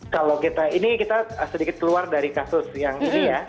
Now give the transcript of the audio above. kalau kita ini kita sedikit keluar dari kasus yang ini ya